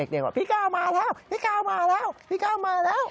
เด็กว่าพี่ก้าวมาแล้วพี่ก้าวมาแล้ว